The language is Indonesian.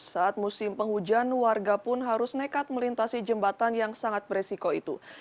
saat musim penghujan warga pun harus nekat melintasi jembatan yang sangat beresiko itu